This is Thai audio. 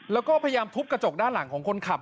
แล้วก็พยายามทุบกระจกด้านหลังของคนขับ